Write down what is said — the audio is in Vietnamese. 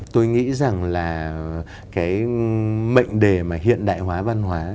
tôi nghĩ rằng là cái mệnh đề mà hiện đại hóa văn hóa